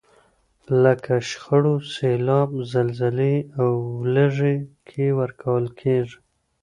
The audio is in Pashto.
لکه شخړو، سیلاب، زلزلې او ولږې کې ورکول کیږي.